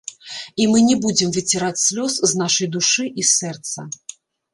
І мы не будзем выціраць слёз з нашай душы і сэрца.